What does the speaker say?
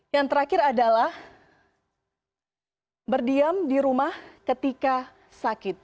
yang terakhir adalah berdiam di rumah ketika sakit